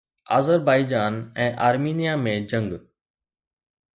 Azerbaijan ۽ Armenia ۾ جنگ